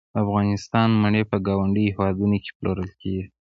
د افغانستان مڼې په ګاونډیو هیوادونو کې پلورل کیږي